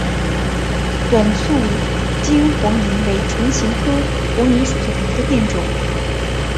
短促京黄芩为唇形科黄芩属下的一个变种。